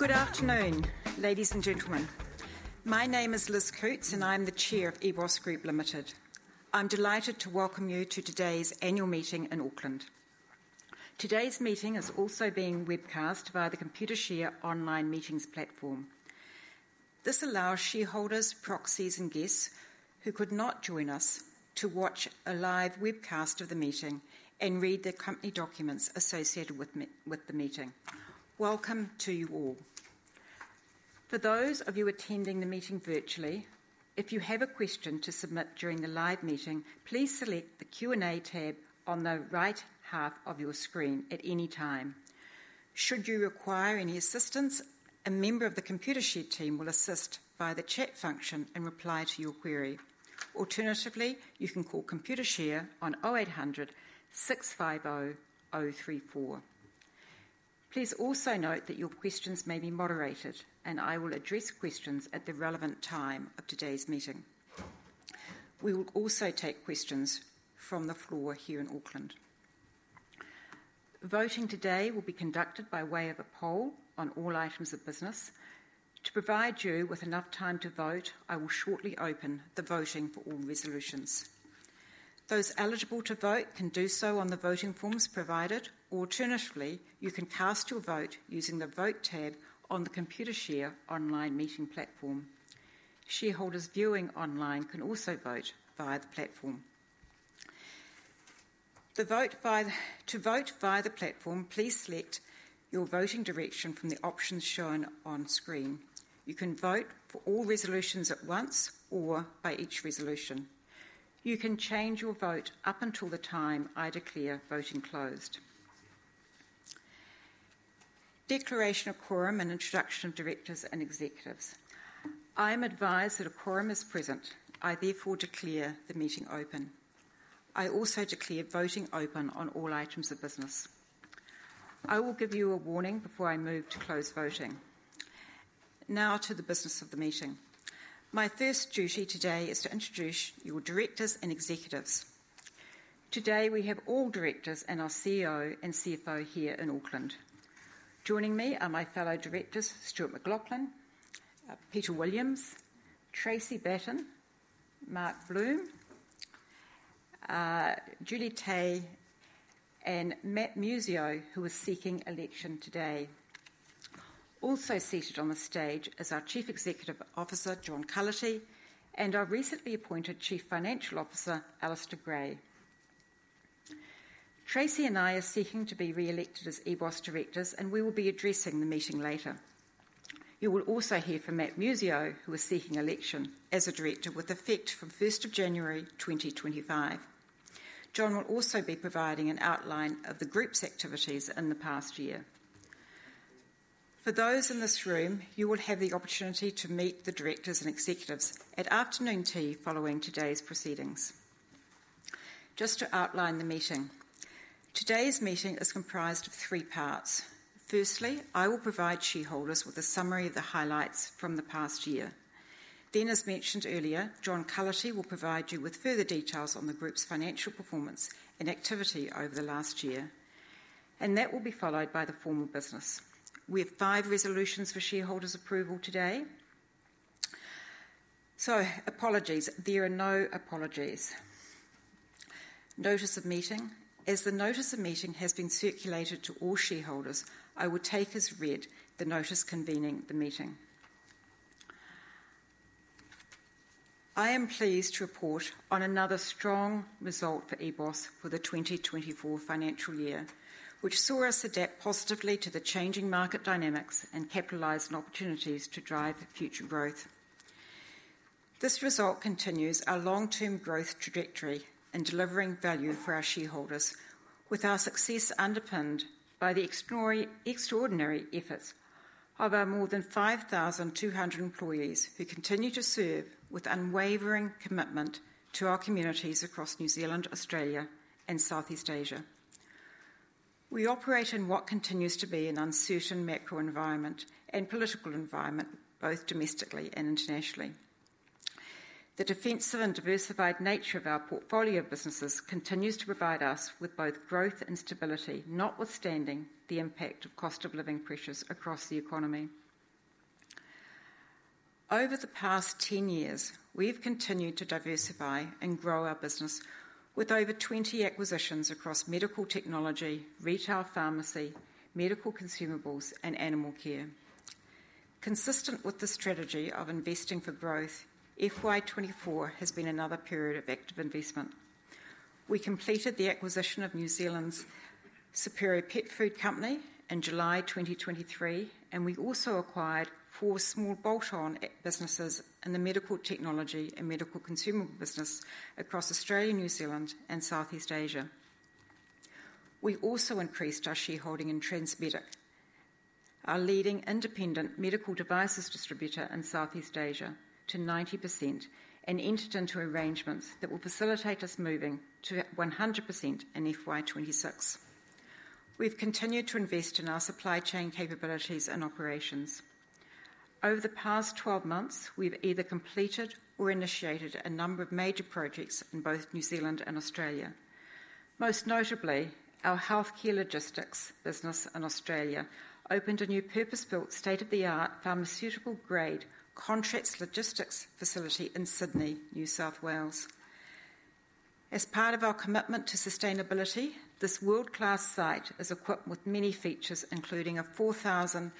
Good afternoon, ladies and gentlemen. My name is Liz Coutts, and I'm the chair of EBOS Group Limited. I'm delighted to welcome you to today's annual meeting in Auckland. Today's meeting is also being webcast via the Computershare online meetings platform. This allows shareholders, proxies, and guests who could not join us to watch a live webcast of the meeting and read the company documents associated with the meeting. Welcome to you all. For those of you attending the meeting virtually, if you have a question to submit during the live meeting, please select the Q&A tab on the right half of your screen at any time. Should you require any assistance, a member of the Computershare team will assist via the chat function and reply to your query. Alternatively, you can call Computershare on 0800-650-034. Please also note that your questions may be moderated, and I will address questions at the relevant time of today's meeting. We will also take questions from the floor here in Auckland. Voting today will be conducted by way of a poll on all items of business. To provide you with enough time to vote, I will shortly open the voting for all resolutions. Those eligible to vote can do so on the voting forms provided. Alternatively, you can cast your vote using the Vote tab on the Computershare online meeting platform. Shareholders viewing online can also vote via the platform. To vote via the platform, please select your voting direction from the options shown on screen. You can vote for all resolutions at once or by each resolution. You can change your vote up until the time I declare voting closed. Declaration of quorum and introduction of directors and executives. I am advised that a quorum is present. I therefore declare the meeting open. I also declare voting open on all items of business. I will give you a warning before I move to close voting. Now to the business of the meeting. My first duty today is to introduce your directors and executives. Today, we have all directors and our CEO and CFO here in Auckland. Joining me are my fellow directors, Stuart McLauchlan, Peter Williams, Tracey Batten, Mark Bloom, Julie Tay, and Matt Muscio, who is seeking election today. Also seated on the stage is our Chief Executive Officer, John Cullity, and our recently appointed Chief Financial Officer, Alistair Gray. Tracey and I are seeking to be re-elected as EBOS directors, and we will be addressing the meeting later. You will also hear from Matt Muscio, who is seeking election as a director with effect from first of January, 2025. John will also be providing an outline of the group's activities in the past year. For those in this room, you will have the opportunity to meet the directors and executives at afternoon tea following today's proceedings. Just to outline the meeting, today's meeting is comprised of three parts. Firstly, I will provide shareholders with a summary of the highlights from the past year. Then, as mentioned earlier, John Cullity will provide you with further details on the group's financial performance and activity over the last year, and that will be followed by the formal business. We have five resolutions for shareholders' approval today. So apologies. There are no apologies. Notice of meeting. As the notice of meeting has been circulated to all shareholders, I will take as read the notice convening the meeting. I am pleased to report on another strong result for EBOS for the 2024 financial year, which saw us adapt positively to the changing market dynamics and capitalize on opportunities to drive future growth. This result continues our long-term growth trajectory in delivering value for our shareholders, with our success underpinned by the extraordinary, extraordinary efforts of our more than 5,200 employees, who continue to serve with unwavering commitment to our communities across New Zealand, Australia, and Southeast Asia. We operate in what continues to be an uncertain macro environment and political environment, both domestically and internationally. The defensive and diversified nature of our portfolio of businesses continues to provide us with both growth and stability, notwithstanding the impact of cost of living pressures across the economy. Over the past 10 years, we have continued to diversify and grow our business with over 20 acquisitions across medical technology, retail pharmacy, medical consumables, and animal care. Consistent with the strategy of investing for growth, FY 2024 has been another period of active investment. We completed the acquisition of New Zealand's Superior Pet Food Company in July 2023, and we also acquired four small bolt-on businesses in the medical technology and medical consumable business across Australia, New Zealand, and Southeast Asia. We also increased our shareholding in Transmedic, our leading independent medical devices distributor in Southeast Asia, to 90% and entered into arrangements that will facilitate us moving to 100% in FY 2026. We've continued to invest in our supply chain capabilities and operations. Over the past twelve months, we've either completed or initiated a number of major projects in both New Zealand and Australia. Most notably, our healthcare logistics business in Australia opened a new purpose-built, state-of-the-art, pharmaceutical-grade contract logistics facility in Sydney, New South Wales. As part of our commitment to sustainability, this world-class site is equipped with many features, including a 4,000-panel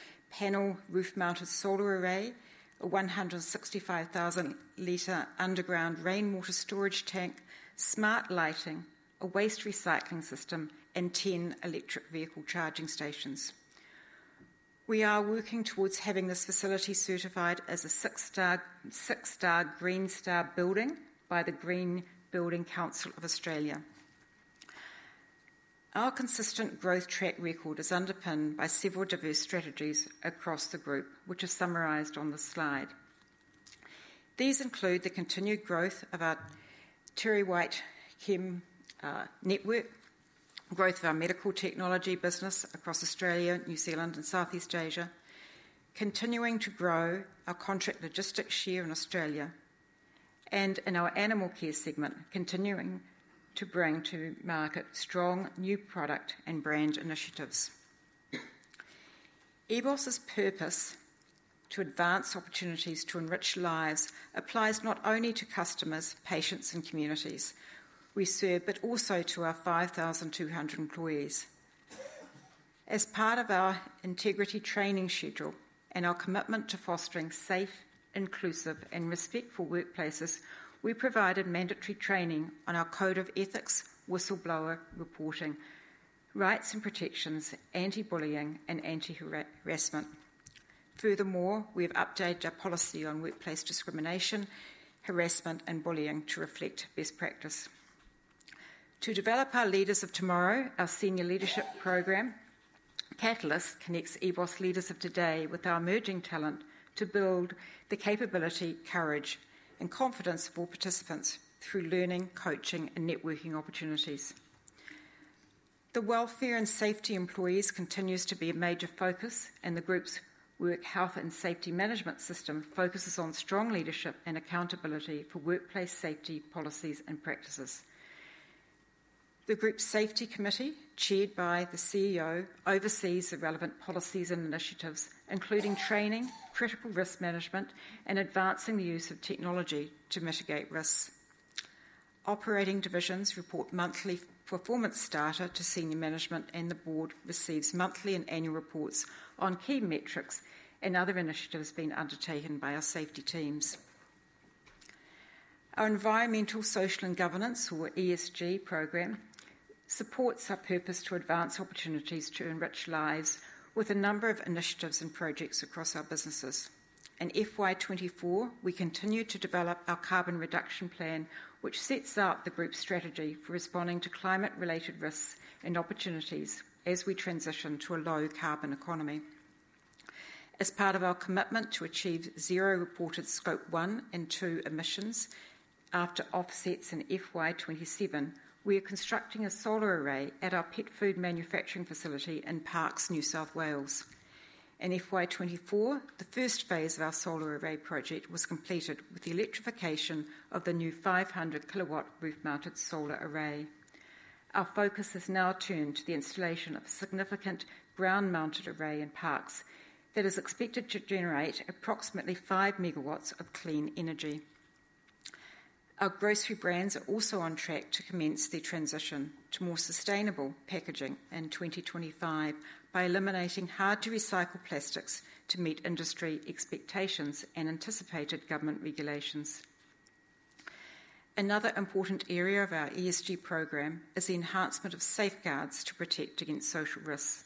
roof-mounted solar array, a 165,000-liter underground rainwater storage tank, smart lighting, a waste recycling system, and 10 electric vehicle charging stations. We are working towards having this facility certified as a six-star, six-star Green Star building by the Green Building Council of Australia. Our consistent growth track record is underpinned by several diverse strategies across the group, which is summarized on the slide. These include the continued growth of our TerryWhite Chemmart network, growth of our medical technology business across Australia, New Zealand, and Southeast Asia, continuing to grow our contract logistics share in Australia, and in our animal care segment, continuing to bring to market strong new product and brand initiatives. EBOS's purpose to advance opportunities to enrich lives applies not only to customers, patients, and communities we serve, but also to our five thousand two hundred employees. As part of our integrity training schedule and our commitment to fostering safe, inclusive, and respectful workplaces, we provided mandatory training on our code of ethics, whistleblower reporting, rights and protections, anti-bullying, and anti-harassment. Furthermore, we have updated our policy on workplace discrimination, harassment, and bullying to reflect best practice. To develop our leaders of tomorrow, our senior leadership program, Catalyst, connects EBOS leaders of today with our emerging talent to build the capability, courage, and confidence of all participants through learning, coaching, and networking opportunities. The welfare and safety of employees continues to be a major focus, and the group's work health and safety management system focuses on strong leadership and accountability for workplace safety policies and practices. The group's safety committee, chaired by the CEO, oversees the relevant policies and initiatives, including training, critical risk management, and advancing the use of technology to mitigate risks. Operating divisions report monthly performance data to senior management, and the board receives monthly and annual reports on key metrics and other initiatives being undertaken by our safety teams. Our environmental, social, and governance, or ESG, program supports our purpose to advance opportunities to enrich lives with a number of initiatives and projects across our businesses. In FY twenty-four, we continued to develop our carbon reduction plan, which sets out the group's strategy for responding to climate-related risks and opportunities as we transition to a low-carbon economy. As part of our commitment to achieve zero reported Scope 1 and 2 emissions after offsets in FY twenty-seven, we are constructing a solar array at our pet food manufacturing facility in Parkes, New South Wales. In FY twenty-four, the first phase of our solar array project was completed with the electrification of the new 500-kilowatt roof-mounted solar array. Our focus has now turned to the installation of a significant ground-mounted array in Parkes that is expected to generate approximately 5 megawatts of clean energy. Our grocery brands are also on track to commence their transition to more sustainable packaging in 2025 by eliminating hard-to-recycle plastics to meet industry expectations and anticipated government regulations. Another important area of our ESG program is the enhancement of safeguards to protect against social risks.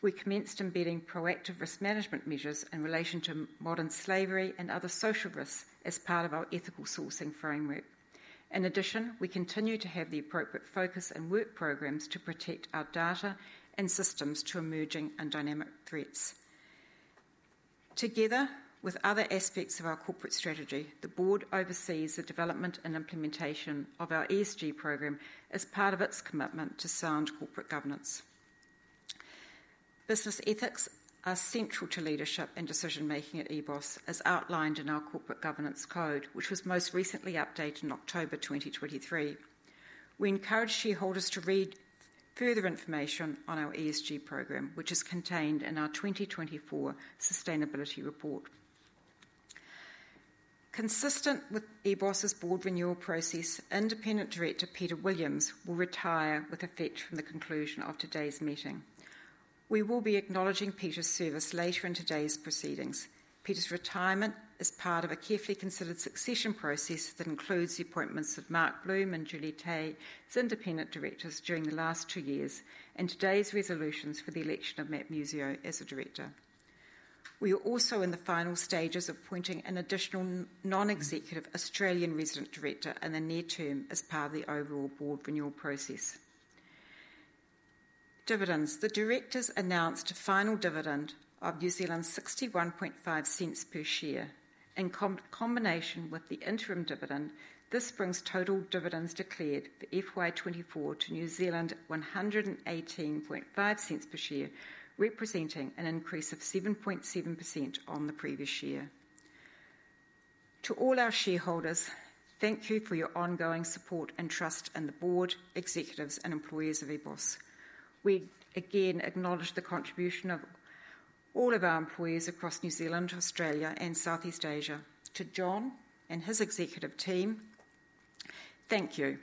We commenced embedding proactive risk management measures in relation to modern slavery and other social risks as part of our ethical sourcing framework. In addition, we continue to have the appropriate focus and work programs to protect our data and systems to emerging and dynamic threats. Together with other aspects of our corporate strategy, the board oversees the development and implementation of our ESG program as part of its commitment to sound corporate governance. Business ethics are central to leadership and decision-making at EBOS, as outlined in our corporate governance code, which was most recently updated in October 2023. We encourage shareholders to read further information on our ESG program, which is contained in our 2024 sustainability report. Consistent with EBOS's board renewal process, independent director Peter Williams will retire with effect from the conclusion of today's meeting. We will be acknowledging Peter's service later in today's proceedings. Peter's retirement is part of a carefully considered succession process that includes the appointments of Mark Bloom and Julie Tay as independent directors during the last two years, and today's resolutions for the election of Matt Muscio as a director. We are also in the final stages of appointing an additional non-executive Australian resident director in the near term as part of the overall board renewal process. Dividends. The directors announced a final dividend of 0.615 per share. In combination with the interim dividend, this brings total dividends declared for FY 2024 to 1.185 per share, representing an increase of 7.7% on the previous year. To all our shareholders, thank you for your ongoing support and trust in the board, executives, and employees of EBOS. We again acknowledge the contribution of all of our employees across New Zealand, Australia, and Southeast Asia. To John and his executive team, thank you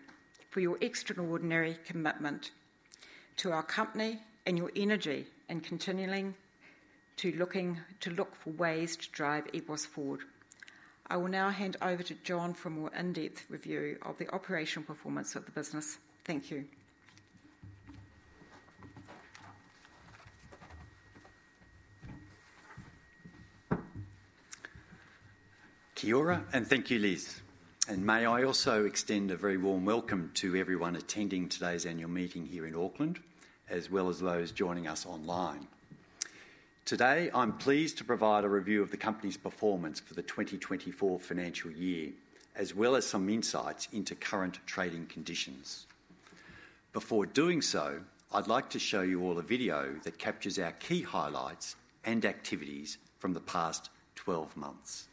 for your extraordinary commitment to our company and your energy in continuing to look for ways to drive EBOS forward. I will now hand over to John for a more in-depth review of the operational performance of the business. Thank you. Kia ora, and thank you, Liz, and may I also extend a very warm welcome to everyone attending today's annual meeting here in Auckland, as well as those joining us online. Today, I'm pleased to provide a review of the company's performance for the twenty twenty-four financial year, as well as some insights into current trading conditions. Before doing so, I'd like to show you all a video that captures our key highlights and activities from the past twelve months.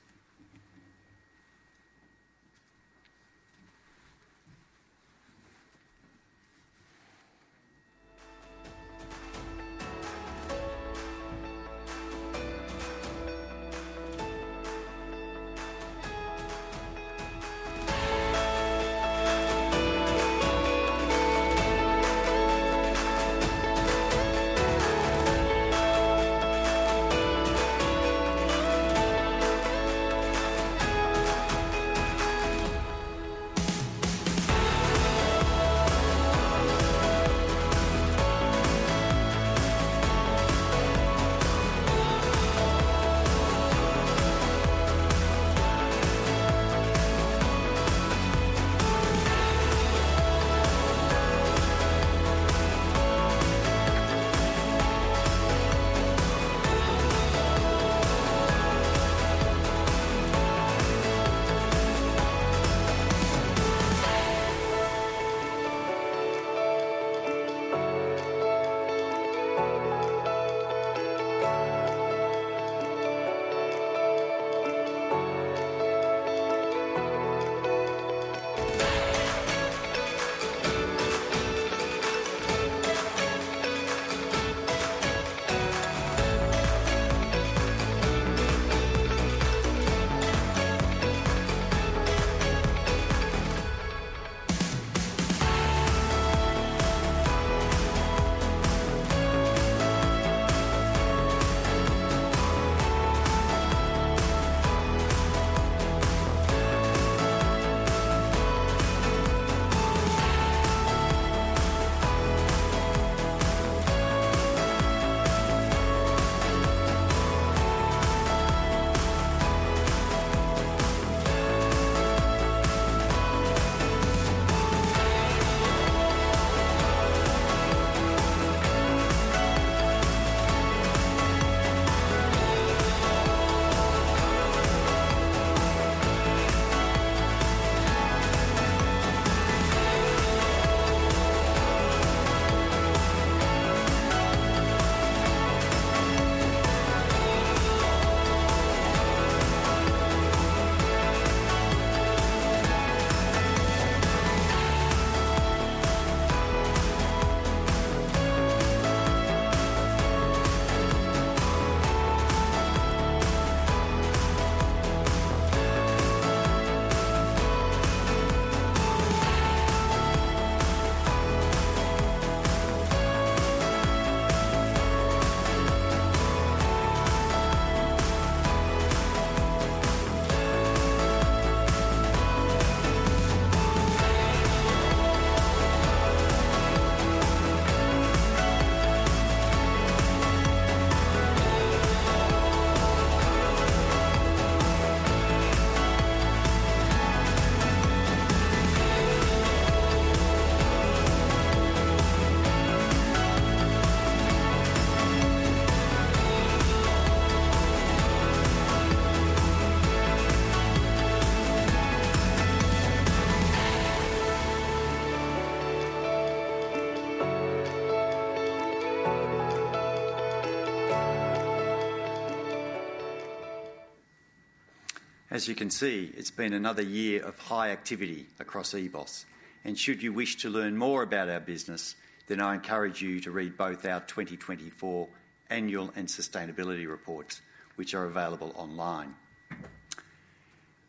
As you can see, it's been another year of high activity across EBOS, and should you wish to learn more about our business, then I encourage you to read both our twenty twenty-four Annual and Sustainability Reports, which are available online.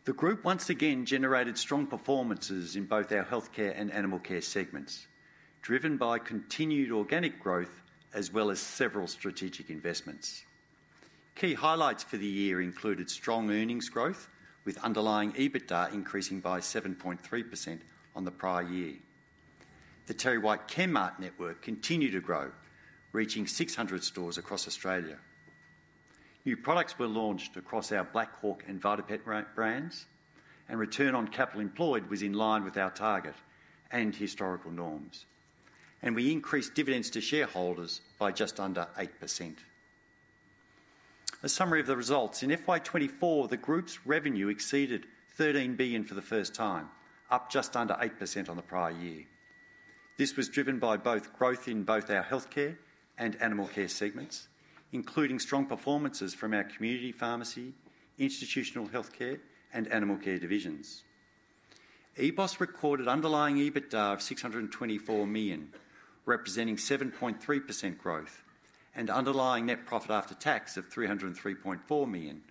The group once again generated strong performances in both our healthcare and animal care segments, driven by continued organic growth as well as several strategic investments. Key highlights for the year included strong earnings growth, with underlying EBITDA increasing by 7.3% on the prior year. The TerryWhite Chemmart network continued to grow, reaching 600 stores across Australia. New products were launched across our Black Hawk and VitaPet brands, and return on capital employed was in line with our target and historical norms, and we increased dividends to shareholders by just under 8%. A summary of the results: in FY 2024, the group's revenue exceeded AUD 13 billion for the first time, up just under 8% on the prior year. This was driven by growth in both our healthcare and animal care segments, including strong performances from our community pharmacy, institutional healthcare, and animal care divisions. EBOS recorded underlying EBITDA of 624 million, representing 7.3% growth, and underlying net profit after tax of 303.4 million,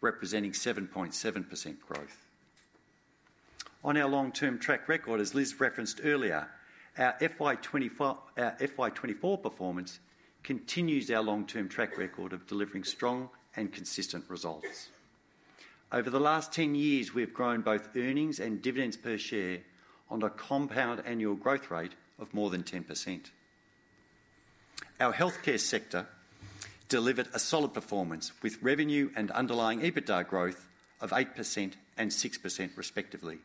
representing 7.7% growth. On our long-term track record, as Liz referenced earlier, our FY 2024 performance continues our long-term track record of delivering strong and consistent results. Over the last 10 years, we have grown both earnings and dividends per share on a compound annual growth rate of more than 10%. Our healthcare sector delivered a solid performance, with revenue and underlying EBITDA growth of 8% and 6% respectively.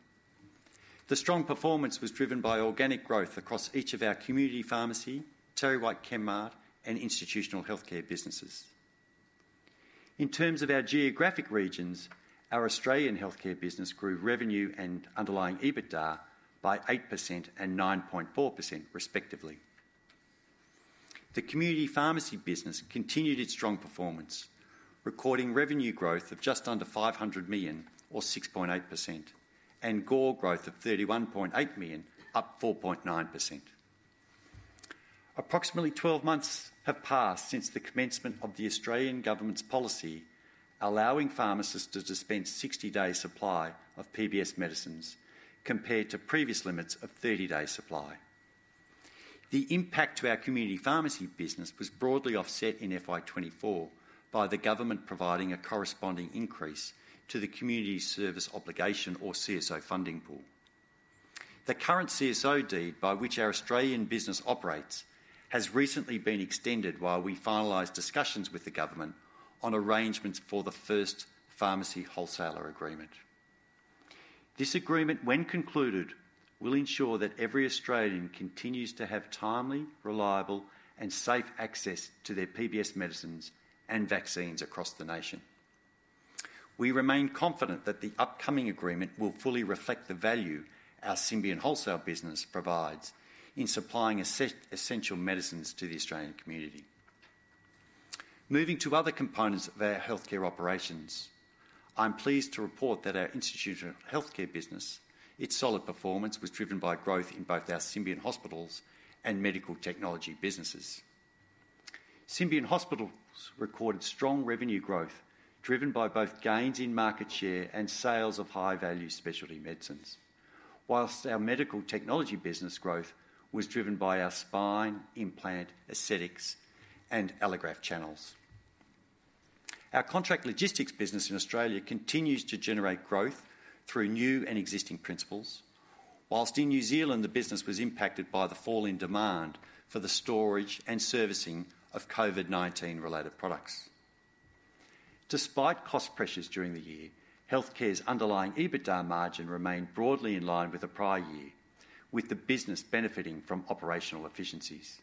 The strong performance was driven by organic growth across each of our community pharmacy, TerryWhite Chemmart, and institutional healthcare businesses. In terms of our geographic regions, our Australian healthcare business grew revenue and underlying EBITDA by 8% and 9.4% respectively. The community pharmacy business continued its strong performance, recording revenue growth of just under 500 million or 6.8%, and GOR growth of 31.8 million, up 4.9%. Approximately 12 months have passed since the commencement of the Australian government's policy, allowing pharmacists to dispense 60-day supply of PBS medicines compared to previous limits of 30-day supply. The impact to our community pharmacy business was broadly offset in FY 2024 by the government providing a corresponding increase to the Community Service Obligation, or CSO, funding pool. The current CSO deed, by which our Australian business operates, has recently been extended while we finalize discussions with the government on arrangements for the first pharmacy wholesaler agreement. This agreement, when concluded, will ensure that every Australian continues to have timely, reliable, and safe access to their PBS medicines and vaccines across the nation. We remain confident that the upcoming agreement will fully reflect the value our Symbion Wholesale business provides in supplying essential medicines to the Australian community. Moving to other components of our healthcare operations, I'm pleased to report that our institutional healthcare business. Its solid performance was driven by growth in both our Symbion Hospitals and medical technology businesses. Symbion Hospitals recorded strong revenue growth, driven by both gains in market share and sales of high-value specialty medicines. Whilst our medical technology business growth was driven by our spine, implant, aesthetics, and allograft channels. Our contract logistics business in Australia continues to generate growth through new and existing principals. While in New Zealand, the business was impacted by the fall in demand for the storage and servicing of COVID-19 related products. Despite cost pressures during the year, healthcare's underlying EBITDA margin remained broadly in line with the prior year, with the business benefiting from operational efficiencies.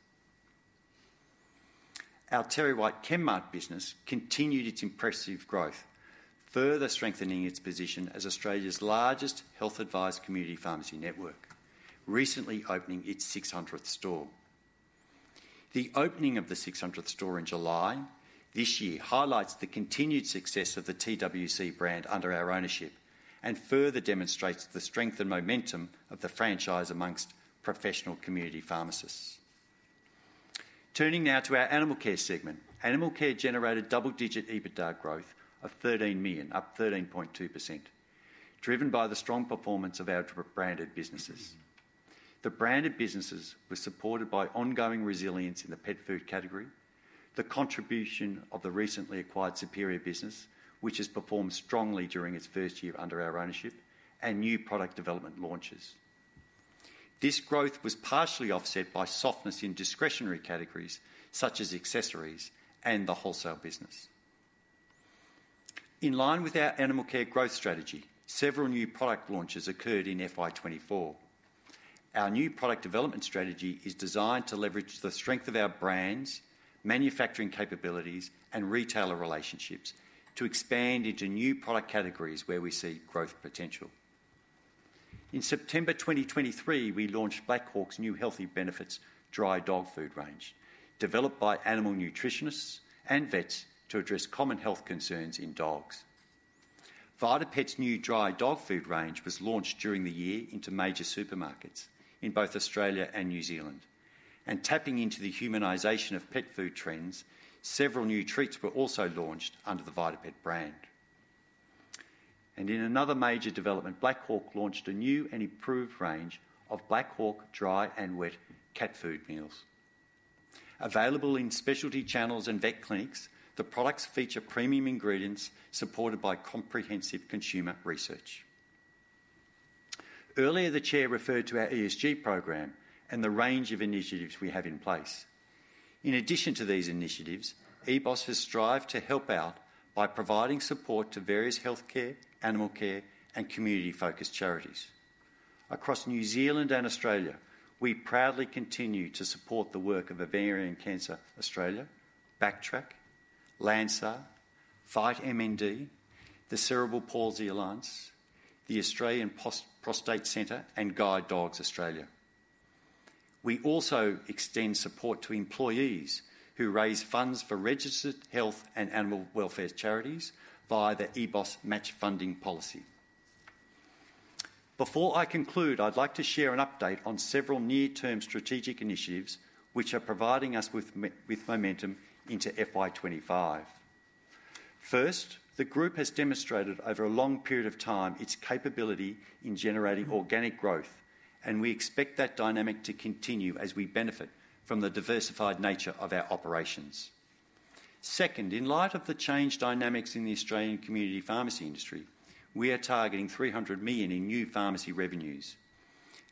Our TerryWhite Chemmart business continued its impressive growth, further strengthening its position as Australia's largest health-advised community pharmacy network, recently opening its six hundredth store. The opening of the six hundredth store in July this year highlights the continued success of the TWC brand under our ownership and further demonstrates the strength and momentum of the franchise amongst professional community pharmacists. Turning now to our animal care segment. Animal care generated double-digit EBITDA growth of thirteen million, up 13.2%, driven by the strong performance of our branded businesses. The branded businesses were supported by ongoing resilience in the pet food category, the contribution of the recently acquired Superior business, which has performed strongly during its first year under our ownership, and new product development launches. This growth was partially offset by softness in discretionary categories, such as accessories and the wholesale business. In line with our animal care growth strategy, several new product launches occurred in FY twenty-four. Our new product development strategy is designed to leverage the strength of our brands, manufacturing capabilities, and retailer relationships to expand into new product categories where we see growth potential. In September 2023, we launched Black Hawk's new Healthy Benefits dry dog food range, developed by animal nutritionists and vets to address common health concerns in dogs. VitaPet's new dry dog food range was launched during the year into major supermarkets in both Australia and New Zealand. Tapping into the humanization of pet food trends, several new treats were also launched under the VitaPet brand. In another major development, Black Hawk launched a new and improved range of Black Hawk dry and wet cat food meals. Available in specialty channels and vet clinics, the products feature premium ingredients supported by comprehensive consumer research. Earlier, the chair referred to our ESG program and the range of initiatives we have in place. In addition to these initiatives, EBOS has strived to help out by providing support to various healthcare, animal care, and community-focused charities. Across New Zealand and Australia, we proudly continue to support the work of Ovarian Cancer Australia, BackTrack, LandSAR, FightMND, the Cerebral Palsy Alliance, the Australian Prostate Centre, and Guide Dogs Australia. We also extend support to employees who raise funds for registered health and animal welfare charities via the EBOS Match Funding Policy. Before I conclude, I'd like to share an update on several near-term strategic initiatives which are providing us with momentum into FY 2025. First, the group has demonstrated over a long period of time its capability in generating organic growth, and we expect that dynamic to continue as we benefit from the diversified nature of our operations. Second, in light of the changed dynamics in the Australian community pharmacy industry, we are targeting 300 million in new pharmacy revenues.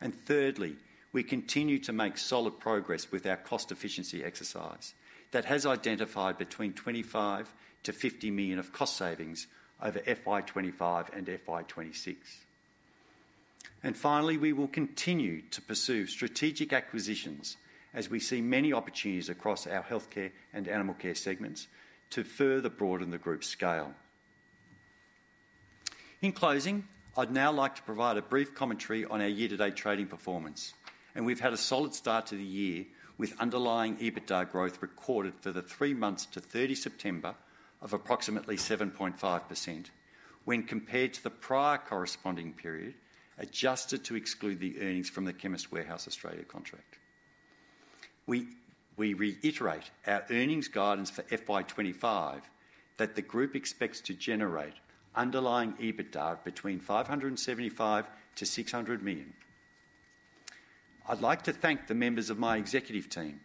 and thirdly, we continue to make solid progress with our cost efficiency exercise that has identified between 25 to 50 million of cost savings over FY 2025 and FY 2026. And finally, we will continue to pursue strategic acquisitions as we see many opportunities across our healthcare and animal care segments to further broaden the group's scale. In closing, I'd now like to provide a brief commentary on our year-to-date trading performance, and we've had a solid start to the year with underlying EBITDA growth recorded for the three months to 30 September of approximately 7.5% when compared to the prior corresponding period, adjusted to exclude the earnings from the Chemist Warehouse Australia contract. We reiterate our earnings guidance for FY 2025 that the group expects to generate underlying EBITDA between 575- 600 million. I'd like to thank the members of my executive team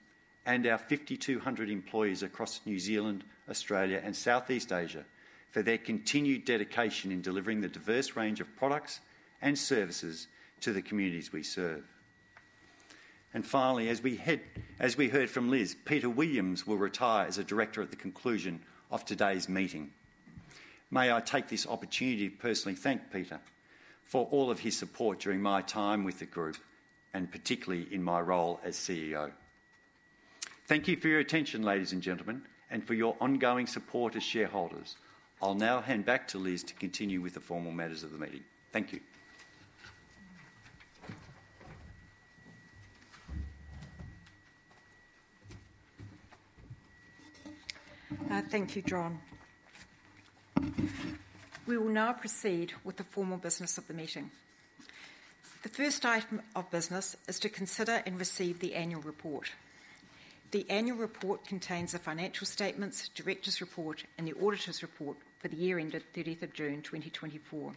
and our 5,200 employees across New Zealand, Australia, and Southeast Asia for their continued dedication in delivering the diverse range of products and services to the communities we serve. Finally, as we heard from Liz, Peter Williams will retire as a director at the conclusion of today's meeting. May I take this opportunity to personally thank Peter for all of his support during my time with the group, and particularly in my role as CEO. Thank you for your attention, ladies and gentlemen, and for your ongoing support as shareholders. I'll now hand back to Liz to continue with the formal matters of the meeting. Thank you. Thank you, John. We will now proceed with the formal business of the meeting. The first item of business is to consider and receive the annual report. The annual report contains the financial statements, directors' report, and the auditors' report for the year ended thirtieth of June, twenty twenty-four.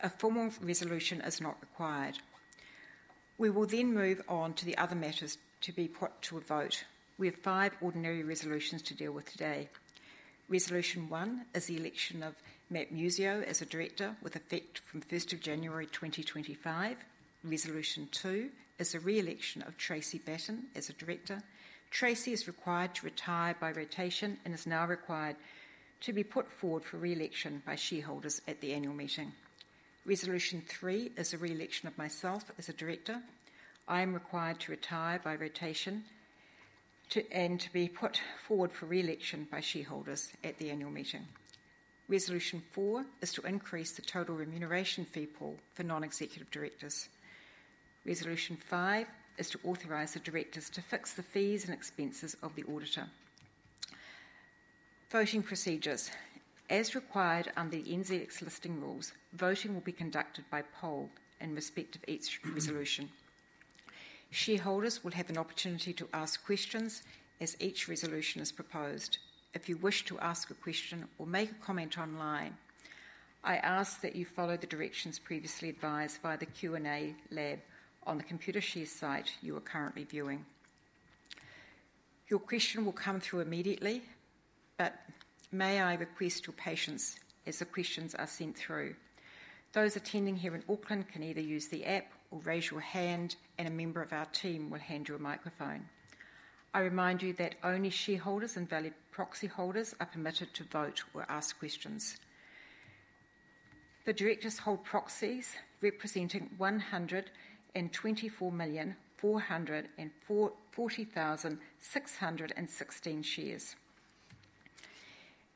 A formal resolution is not required. We will then move on to the other matters to be put to a vote. We have five ordinary resolutions to deal with today. Resolution one is the election of Matt Muscio as a director with effect from first of January, twenty twenty-five. Resolution two is the re-election of Tracey Batten as a director. Tracey is required to retire by rotation and is now required to be put forward for re-election by shareholders at the annual meeting. Resolution three is the re-election of myself as a director. I am required to retire by rotation, and to be put forward for re-election by shareholders at the annual meeting. Resolution four is to increase the total remuneration fee pool for non-executive directors. Resolution five is to authorize the directors to fix the fees and expenses of the auditor. Voting procedures. As required under the NZX Listing Rules, voting will be conducted by poll in respect of each resolution. Shareholders will have an opportunity to ask questions as each resolution is proposed. If you wish to ask a question or make a comment online, I ask that you follow the directions previously advised via the Q&A tab on the Computershare site you are currently viewing. Your question will come through immediately, but may I request your patience as the questions are sent through. Those attending here in Auckland can either use the app or raise your hand, and a member of our team will hand you a microphone. I remind you that only shareholders and valid proxy holders are permitted to vote or ask questions. The directors hold proxies representing one hundred and twenty-four million, four hundred and forty thousand, six hundred and sixteen shares.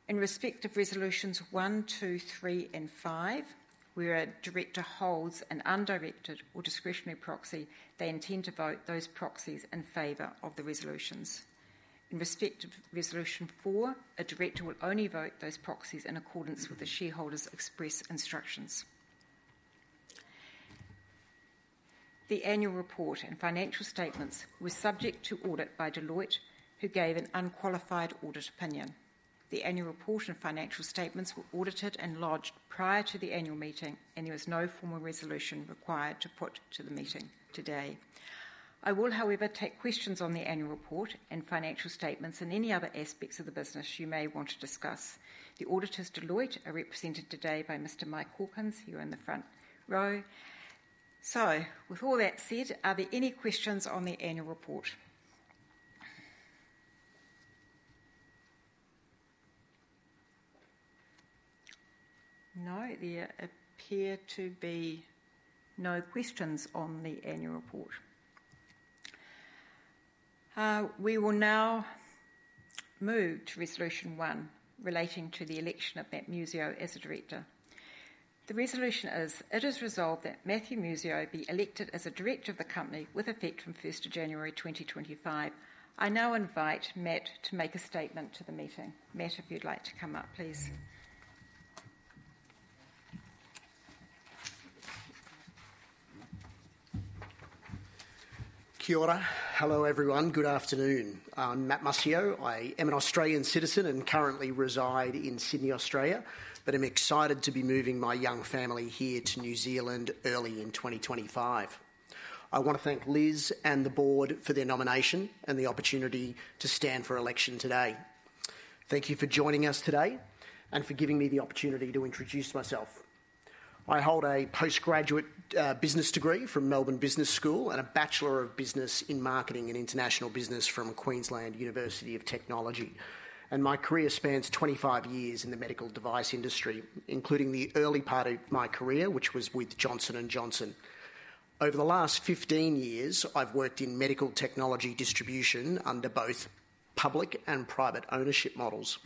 In respect of resolutions one, two, three, and five, where a director holds an undirected or discretionary proxy, they intend to vote those proxies in favor of the resolutions. In respect of resolution four, a director will only vote those proxies in accordance with the shareholder's express instructions. The annual report and financial statements were subject to audit by Deloitte, who gave an unqualified audit opinion. The annual report and financial statements were audited and lodged prior to the annual meeting, and there was no formal resolution required to put to the meeting today. I will, however, take questions on the annual report and financial statements and any other aspects of the business you may want to discuss. The auditors, Deloitte, are represented today by Mr. Mike Hawkins, here in the front row. So, with all that said, are there any questions on the annual report? No, there appear to be no questions on the annual report. We will now move to Resolution One, relating to the election of Matt Muscio as a director. The resolution is: It is resolved that Matthew Muscio be elected as a director of the company with effect from first of January, 2025. I now invite Matt to make a statement to the meeting. Matt, if you'd like to come up, please. Kia ora. Hello, everyone. Good afternoon. I'm Matt Muscio. I am an Australian citizen and currently reside in Sydney, Australia, but I'm excited to be moving my young family here to New Zealand early in twenty twenty-five. I wanna thank Liz and the board for their nomination and the opportunity to stand for election today. Thank you for joining us today and for giving me the opportunity to introduce myself. I hold a postgraduate business degree from Melbourne Business School and a Bachelor of Business in Marketing and International Business from Queensland University of Technology. And my career spans twenty-five years in the medical device industry, including the early part of my career, which was with Johnson & Johnson. Over the last fifteen years, I've worked in medical technology distribution under both public and private ownership models.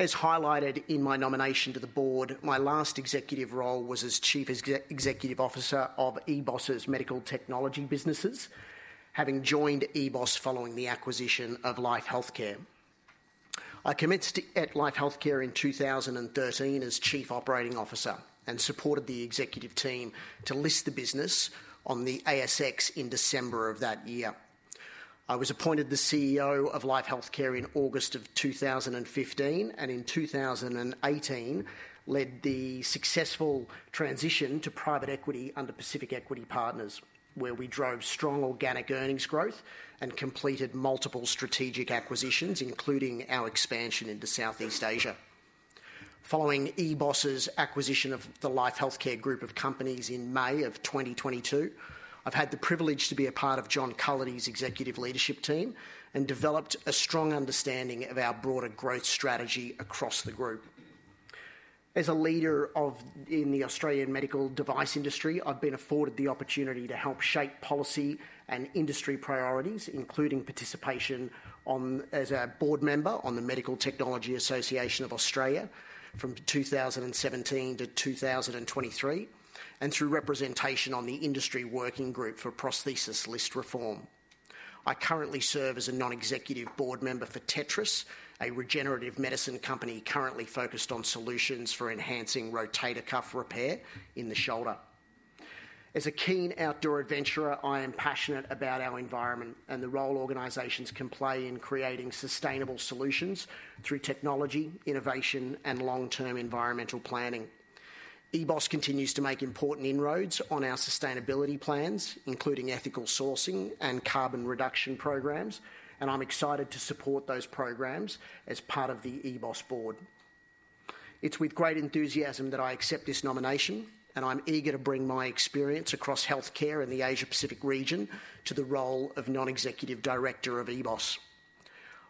As highlighted in my nomination to the board, my last executive role was as Chief Executive Officer of EBOS's medical technology businesses, having joined EBOS following the acquisition of Life Healthcare. I commenced at Life Healthcare in 2013 as Chief Operating Officer and supported the executive team to list the business on the ASX in December of that year. I was appointed the CEO of Life Healthcare in August of 2015, and in 2018, led the successful transition to private equity under Pacific Equity Partners, where we drove strong organic earnings growth and completed multiple strategic acquisitions, including our expansion into Southeast Asia. Following EBOS's acquisition of the Life Healthcare group of companies in May 2022, I've had the privilege to be a part of John Cullity's executive leadership team and developed a strong understanding of our broader growth strategy across the group. As a leader in the Australian medical device industry, I've been afforded the opportunity to help shape policy and industry priorities, including participation as a board member on the Medical Technology Association of Australia from 2017 to 2023, and through representation on the Industry Working Group for Prostheses List Reform. I currently serve as a non-executive board member for Tetratherix, a regenerative medicine company currently focused on solutions for enhancing rotator cuff repair in the shoulder. As a keen outdoor adventurer, I am passionate about our environment and the role organizations can play in creating sustainable solutions through technology, innovation, and long-term environmental planning. EBOS continues to make important inroads on our sustainability plans, including ethical sourcing and carbon reduction programs, and I'm excited to support those programs as part of the EBOS board. It's with great enthusiasm that I accept this nomination, and I'm eager to bring my experience across healthcare in the Asia-Pacific region to the role of non-executive director of EBOS.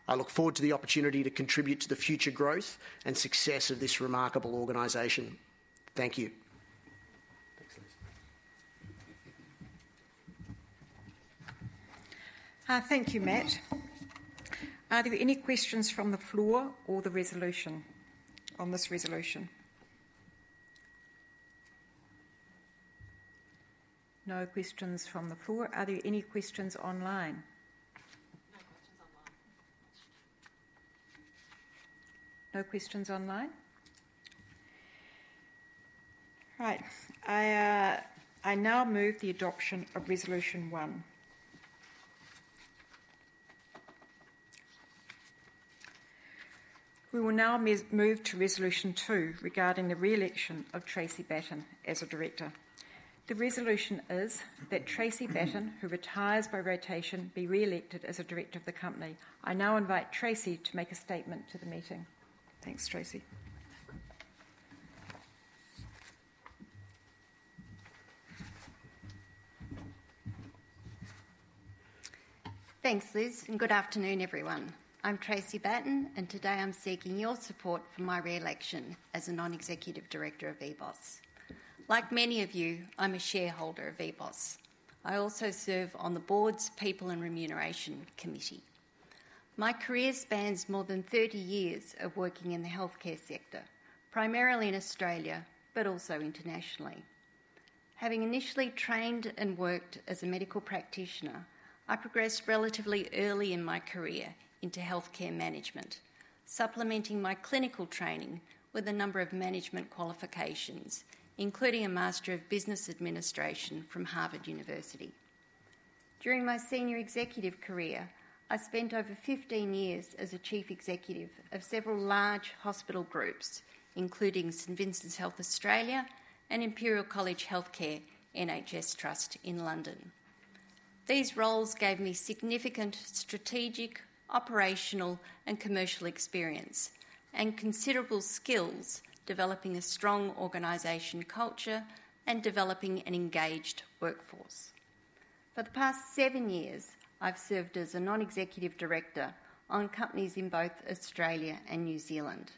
I look forward to the opportunity to contribute to the future growth and success of this remarkable organization. Thank you. Thanks, Liz. Thank you, Matt. Are there any questions from the floor or the resolution, on this resolution? No questions from the floor. Are there any questions online? No questions online. No questions online? Right. I now move the adoption of Resolution One. We will now move to Resolution Two regarding the re-election of Tracey Batten as a director. The resolution is that Tracey Batten, who retires by rotation, be re-elected as a director of the company. I now invite Tracey to make a statement to the meeting. Thanks, Tracey. Thanks, Liz, and good afternoon, everyone. I'm Tracey Batten, and today I'm seeking your support for my re-election as a non-executive director of EBOS. Like many of you, I'm a shareholder of EBOS. I also serve on the board's People and Remuneration Committee. My career spans more than thirty years of working in the healthcare sector, primarily in Australia, but also internationally. Having initially trained and worked as a medical practitioner, I progressed relatively early in my career into healthcare management, supplementing my clinical training with a number of management qualifications, including a Master of Business Administration from Harvard University. During my senior executive career, I spent over fifteen years as a chief executive of several large hospital groups, including St Vincent's Health Australia and Imperial College Healthcare NHS Trust in London. These roles gave me significant strategic, operational, and commercial experience, and considerable skills developing a strong organization culture and developing an engaged workforce. For the past seven years, I've served as a non-executive director on companies in both Australia and New Zealand.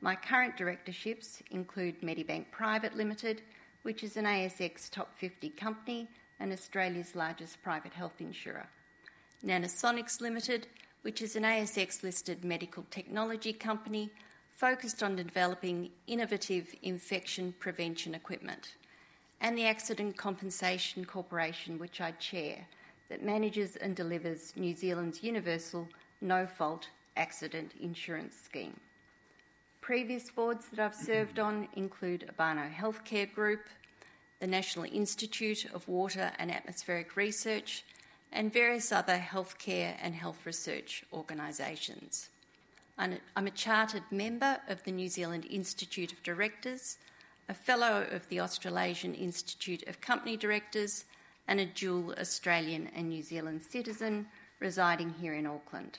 My current directorships include Medibank Private Limited, which is an ASX Top 50 company and Australia's largest private health insurer. Nanosonics Limited, which is an ASX-listed medical technology company focused on developing innovative infection prevention equipment. And the Accident Compensation Corporation, which I chair, that manages and delivers New Zealand's universal no-fault accident insurance scheme. Previous boards that I've served on include Abano Healthcare Group, the National Institute of Water and Atmospheric Research, and various other healthcare and health research organizations. I'm a chartered member of the New Zealand Institute of Directors, a fellow of the Australasian Institute of Company Directors, and a dual Australian and New Zealand citizen residing here in Auckland.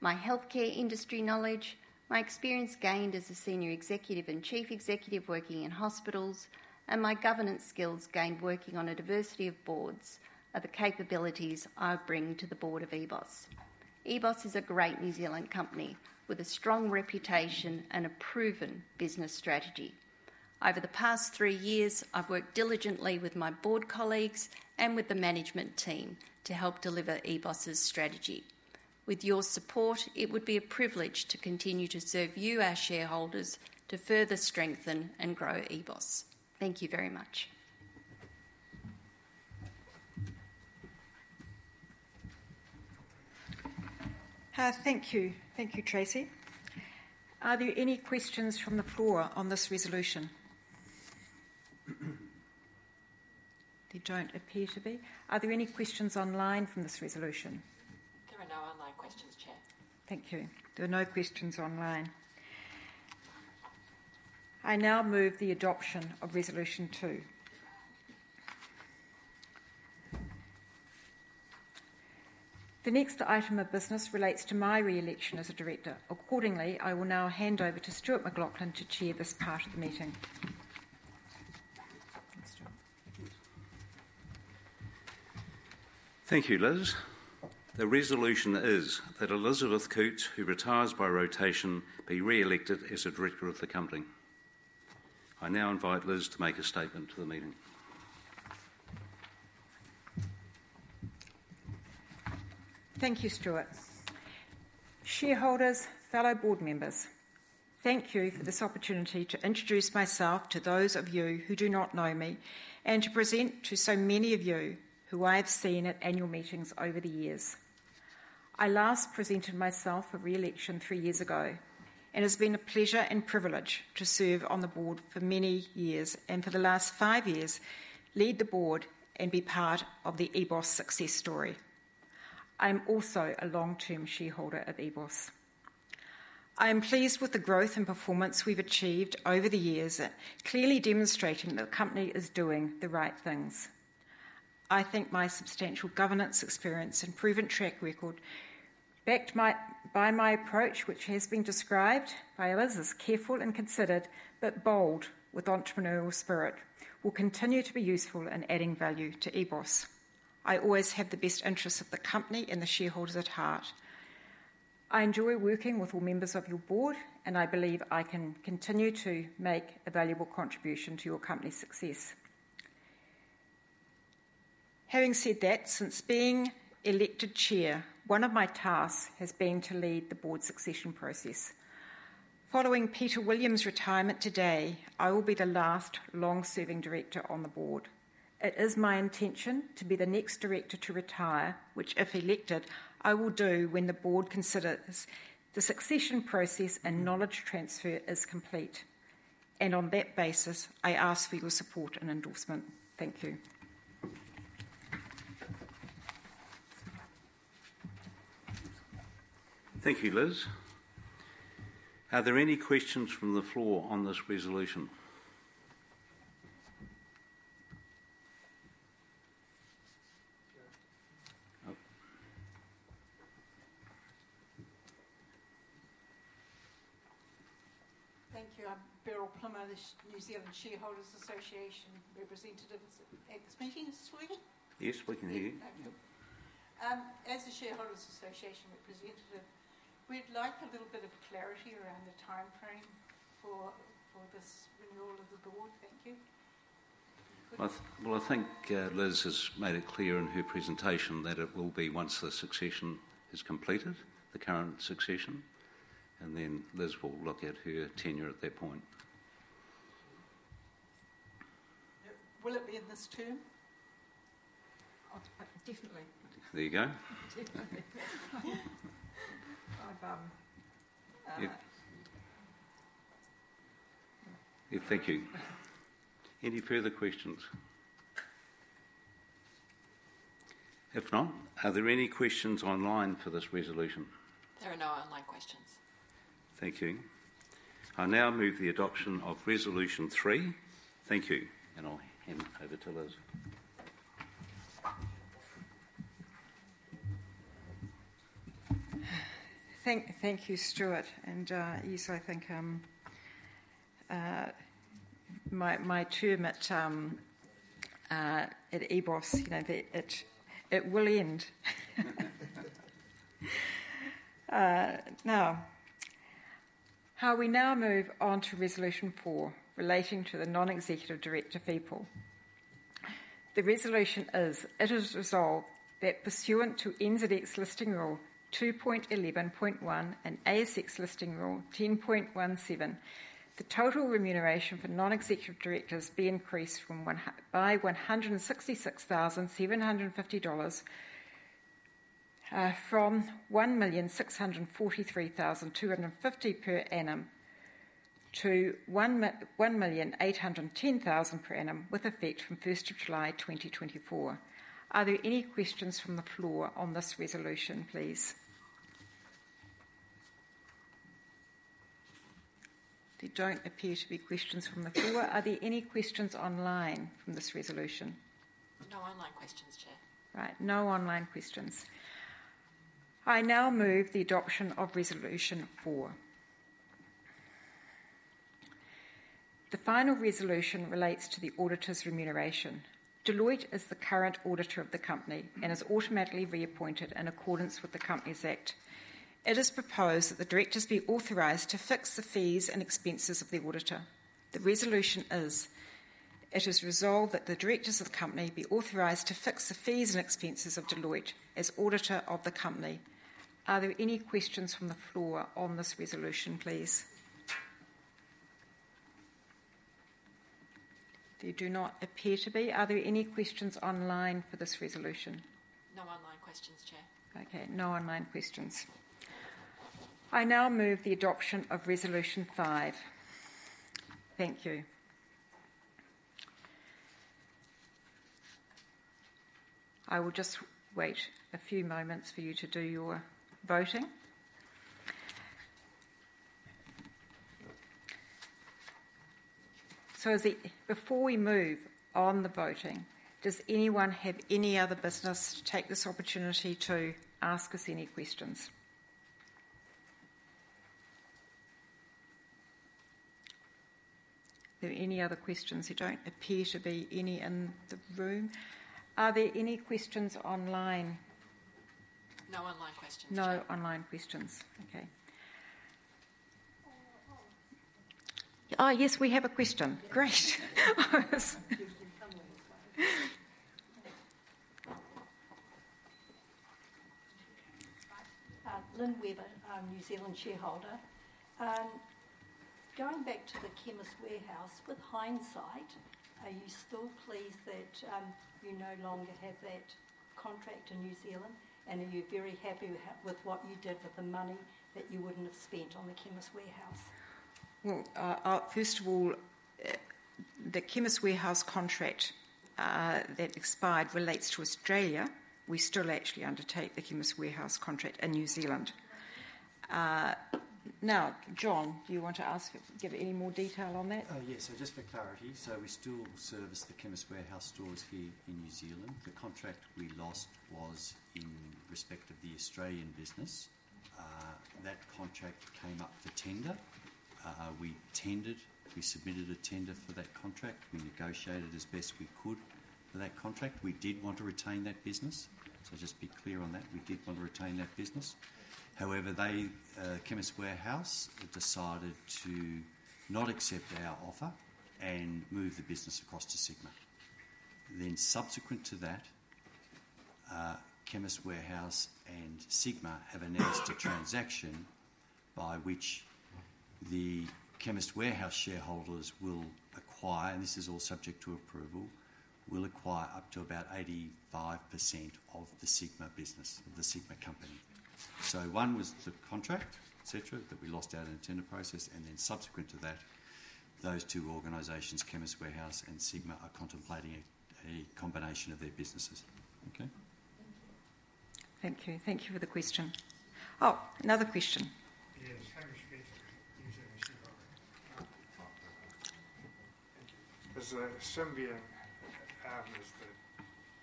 My healthcare industry knowledge, my experience gained as a senior executive and chief executive working in hospitals, and my governance skills gained working on a diversity of boards are the capabilities I bring to the board of EBOS. EBOS is a great New Zealand company with a strong reputation and a proven business strategy. Over the past three years, I've worked diligently with my board colleagues and with the management team to help deliver EBOS's strategy. With your support, it would be a privilege to continue to serve you, our shareholders, to further strengthen and grow EBOS. Thank you very much. Thank you. Thank you, Tracey. Are there any questions from the floor on this resolution? There don't appear to be. Are there any questions online from this resolution? There are no online questions, Chair. Thank you. There are no questions online. I now move the adoption of Resolution two. The next item of business relates to my re-election as a director. Accordingly, I will now hand over to Stuart McLauchlan to chair this part of the meeting. Thanks, Stuart. Thank you, Liz. The resolution is that Elizabeth Coutts, who retires by rotation, be re-elected as a director of the company. I now invite Liz to make a statement to the meeting. Thank you, Stuart. Shareholders, fellow board members, thank you for this opportunity to introduce myself to those of you who do not know me, and to present to so many of you who I have seen at annual meetings over the years. I last presented myself for re-election three years ago, and it's been a pleasure and privilege to serve on the board for many years, and for the last five years, lead the board and be part of the EBOS success story. I'm also a long-term shareholder of EBOS. I am pleased with the growth and performance we've achieved over the years, clearly demonstrating the company is doing the right things. I think my substantial governance experience and proven track record, backed by my approach, which has been described by Liz as careful and considered, but bold with entrepreneurial spirit, will continue to be useful in adding value to EBOS. I always have the best interests of the company and the shareholders at heart. I enjoy working with all members of your board, and I believe I can continue to make a valuable contribution to your company's success. Having said that, since being elected Chair, one of my tasks has been to lead the board succession process. Following Peter Williams' retirement today, I will be the last long-serving director on the board. It is my intention to be the next director to retire, which, if elected, I will do when the board considers the succession process and knowledge transfer is complete. On that basis, I ask for your support and endorsement. Thank you. Thank you, Liz. Are there any questions from the floor on this resolution? Oh. Thank you. I'm Beryl Plummer, the New Zealand Shareholders' Association representative at this meeting. Speaking? Yes, we can hear you. Thank you. As the Shareholders Association representative, we'd like a little bit of clarity around the timeframe for this renewal of the board. Thank you. I think Liz has made it clear in her presentation that it will be once the succession is completed, the current succession, and then Liz will look at her tenure at that point. Yep. Will it be in this term? Oh, definitely. There you go. Definitely. Yep. Yeah, thank you. Any further questions? If not, are there any questions online for this resolution? There are no online questions. Thank you. I now move the adoption of Resolution three. Thank you, and I'll hand over to Liz. Thank you, Stuart. Yes, I think my term at EBOS, you know, it will end. Now we move on to Resolution four, relating to the non-executive director people. The resolution is, it is resolved that pursuant to NZX Listing Rule 2.11.1 and ASX Listing Rule 10.17, the total remuneration for non-executive directors be increased by 166,750 dollars, from 1,643,250 per annum to 1,810,000 per annum, with effect from 1 July 2024. Are there any questions from the floor on this resolution, please? There don't appear to be questions from the floor. Are there any questions online from this resolution? No online questions, Chair. Right. No online questions. I now move the adoption of Resolution four. The final resolution relates to the auditor's remuneration. Deloitte is the current auditor of the company and is automatically reappointed in accordance with the Companies Act. It is proposed that the directors be authorized to fix the fees and expenses of the auditor. The resolution is: It is resolved that the directors of the company be authorized to fix the fees and expenses of Deloitte as auditor of the company. Are there any questions from the floor on this resolution, please? There do not appear to be. Are there any questions online for this resolution? No online questions, Chair. Okay, no online questions. I now move the adoption of Resolution five. Thank you. I will just wait a few moments for you to do your voting. So before we move on the voting, does anyone have any other business to take this opportunity to ask us any questions? Are there any other questions? There don't appear to be any in the room. Are there any questions online? No online questions. No online questions. Okay. Ah, yes, we have a question. Great. I was. Lynn Webber, I'm New Zealand shareholder. Going back to the Chemist Warehouse, with hindsight, are you still pleased that you no longer have that contract in New Zealand? And are you very happy with what you did with the money that you wouldn't have spent on the Chemist Warehouse? First of all, the Chemist Warehouse contract that expired relates to Australia. We still actually undertake the Chemist Warehouse contract in New Zealand. Okay. Now, John, do you want to give any more detail on that? Yes, so just for clarity, so we still service the Chemist Warehouse stores here in New Zealand. The contract we lost was in respect of the Australian business. That contract came up for tender. We tendered, we submitted a tender for that contract. We negotiated as best we could for that contract. We did want to retain that business, so just be clear on that. We did want to retain that business. However, they, Chemist Warehouse, decided to not accept our offer and move the business across to Sigma. Then subsequent to that, Chemist Warehouse and Sigma have announced a transaction by which the Chemist Warehouse shareholders will acquire, and this is all subject to approval, will acquire up to about 85% of the Sigma business, the Sigma company. One was the contract, et cetera, that we lost out in a tender process, and then subsequent to that, those two organizations, Chemist Warehouse and Sigma, are contemplating a combination of their businesses. Okay? Thank you. Thank you. Thank you for the question. Oh, another question. Yes, Hamish Fisher, New Zealand shareholder. Thank you. Does the Symbion, is the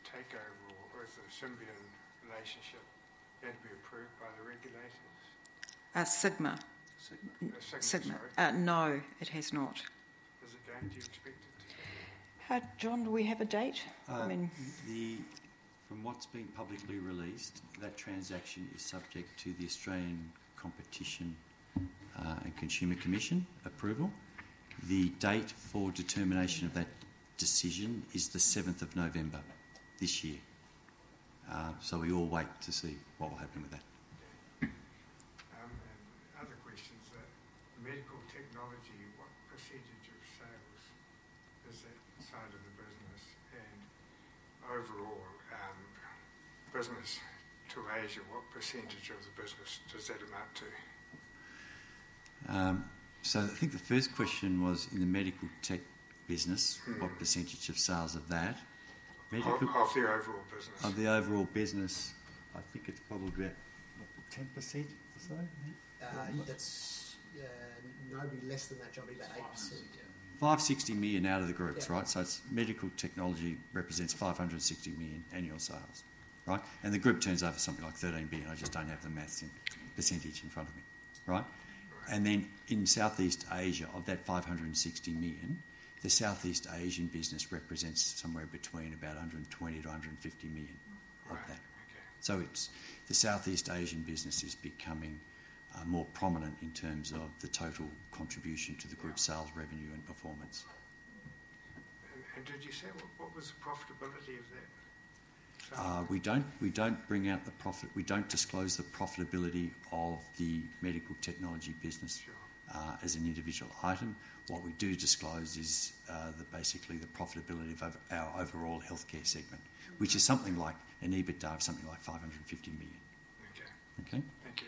takeover or the Symbion relationship had to be approved by the regulators? Sigma. Sigma. Sigma, sorry. No, it has not. Does it go, do you expect it to? John, do we have a date? I mean. From what's been publicly released, that transaction is subject to the Australian Competition and Consumer Commission approval. The date for determination of that decision is the seventh of November this year. So we all wait to see what will happen with that. Okay. And other questions, the medical technology, what percentage of sales is that side of the business? And overall, business to Asia, what percentage of the business does that amount to? So I think the first question was, in the medical tech business. What percentage of sales of that? Medical of the overall business. Of the overall business, I think it's probably about, what, 10% or so, yeah? That's, No, it'd be less than that, John, maybe about 8%. Five hundred, yeah. $560 million out of the group's, right? Yeah. So it's medical technology represents $560 million annual sales, right? And the group turns over something like $13 billion. I just don't have the math in percentage in front of me. Right? Right. And then in Southeast Asia, of that 560 million, the Southeast Asian business represents somewhere between about 120-150 million- Right, okay. -of that. So it's, the Southeast Asian business is becoming, more prominent in terms of the total contribution to the group's sales revenue and performance. Did you say what the profitability of that sale was? We don't disclose the profitability of the medical technology business. Sure. as an individual item. What we do disclose is, basically, the profitability of our, our overall healthcare segment- which is something like an EBITDA of something like 550 million. Okay. Okay? Thank you.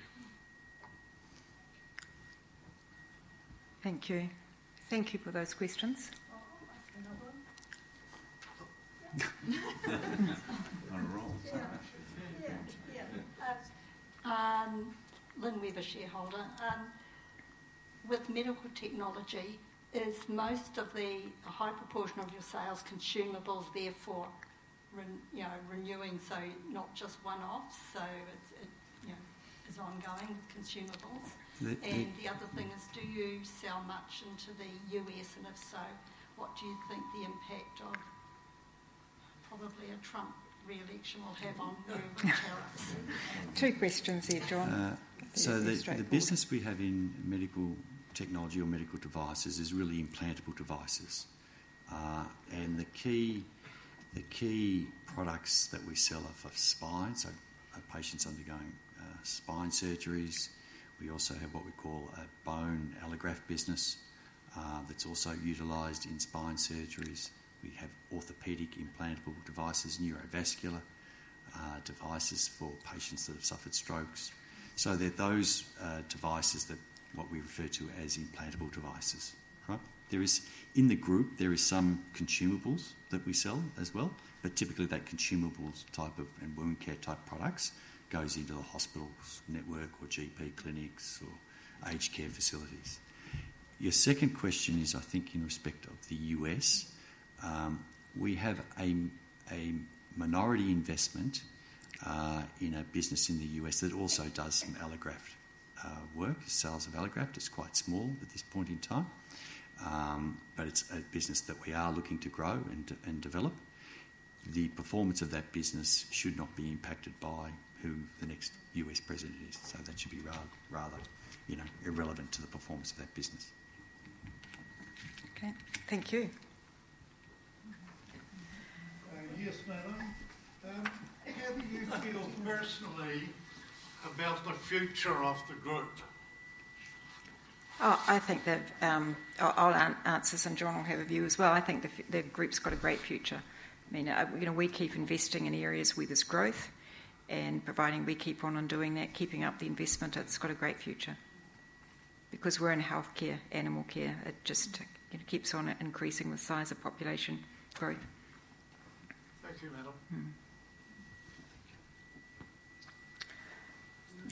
Thank you. Thank you for those questions. Oh, I'll ask another one. On a roll. Yeah. Yeah, yeah. Lynn Webber, shareholder. With medical technology, is most of the high proportion of your sales consumables therefore renewing, you know, so not just one-offs, so it's, you know, is ongoing consumables. The other thing is, do you sell much into the U.S., and if so, what do you think the impact of probably a Trump re-election will have on you and your products? Two questions there, John. Let's see, straightforward. So the business we have in medical technology or medical devices is really implantable devices. And the key products that we sell are for spine, so patients undergoing spine surgeries. We also have what we call a bone allograft business, that's also utilized in spine surgeries. We have orthopedic implantable devices, neurovascular devices for patients that have suffered strokes. So they're those devices that what we refer to as implantable devices. Right? There is... In the group, there is some consumables that we sell as well, but typically, that consumables type of, and wound care type products goes into the hospitals network, or GP clinics, or aged care facilities. Your second question is, I think, in respect of the U.S. We have a minority investment in a business in the U.S. that also does some allograft work, sales of allograft. It's quite small at this point in time, but it's a business that we are looking to grow and develop. The performance of that business should not be impacted by who the next U.S. president is, so that should be rather, you know, irrelevant to the performance of that business. Okay, thank you. Yes, madam. How do you feel personally about the future of the group? I think that, I'll answer this, and John will have a view as well. I think the group's got a great future. I mean, you know, we keep investing in areas where there's growth, and providing we keep on doing that, keeping up the investment, it's got a great future. Because we're in healthcare, animal care, it just, it keeps on increasing with size of population growth. Thank you, madam.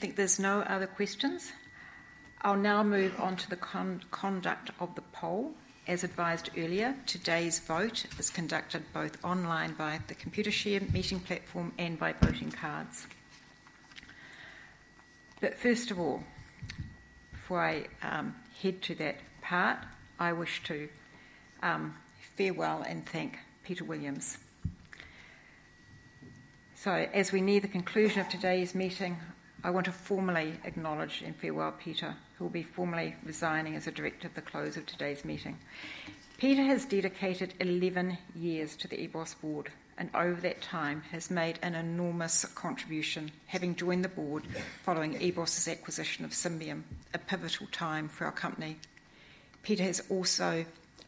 Mm. I think there's no other questions. I'll now move on to the conduct of the poll. As advised earlier, today's vote is conducted both online by the Computershare meeting platform and by voting cards. But first of all, before I head to that part, I wish to farewell and thank Peter Williams. So as we near the conclusion of today's meeting, I want to formally acknowledge and farewell Peter, who will be formally resigning as a director at the close of today's meeting. Peter has dedicated eleven years to the EBOS board, and over that time has made an enormous contribution, having joined the board following EBOS' acquisition of Symbion, a pivotal time for our company. Peter has also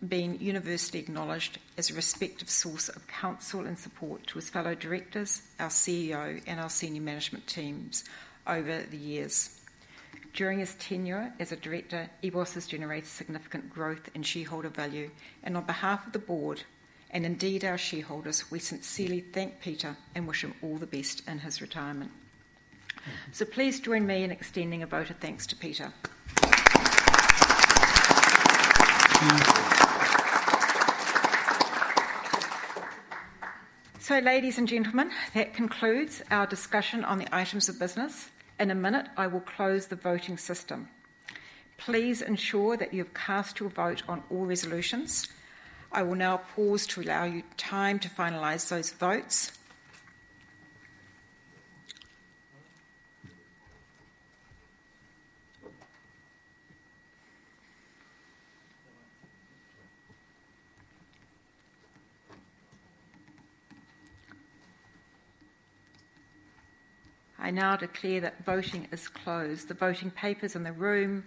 been universally acknowledged as a respected source of counsel and support to his fellow directors, our CEO, and our senior management teams over the years. During his tenure as a director, EBOS has generated significant growth and shareholder value, and on behalf of the board, and indeed our shareholders, we sincerely thank Peter and wish him all the best in his retirement. So please join me in extending a vote of thanks to Peter. So ladies and gentlemen, that concludes our discussion on the items of business. In a minute, I will close the voting system. Please ensure that you've cast your vote on all resolutions. I will now pause to allow you time to finalize those votes. I now declare that voting is closed. The voting papers in the room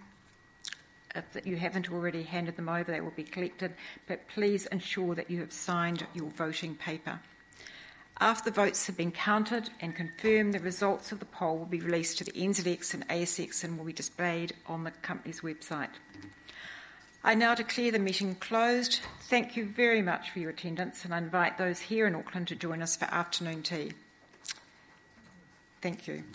that you haven't already handed them over, they will be collected, but please ensure that you have signed your voting paper. After the votes have been counted and confirmed, the results of the poll will be released to the NZX and ASX and will be displayed on the company's website. I now declare the meeting closed. Thank you very much for your attendance, and I invite those here in Auckland to join us for afternoon tea. Thank you.